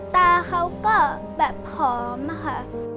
ตาเขาก็แบบผอมค่ะ